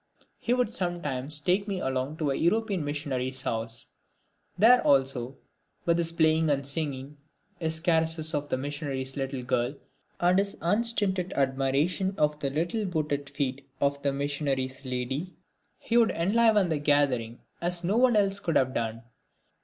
He would sometimes take me along to a European missionary's house. There, also, with his playing and singing, his caresses of the missionary's little girl and his unstinted admiration of the little booted feet of the missionary's lady, he would enliven the gathering as no one else could have done.